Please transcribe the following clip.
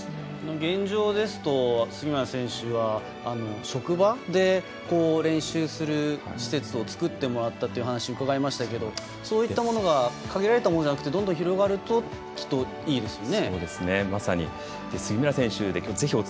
現状ですと、杉村選手は職場で練習する施設を作ってもらったって話伺いましたけどそういったものが限られたものじゃなくどんどん広がるときっといいですよね。